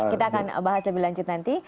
kita akan bahas lebih lanjut nanti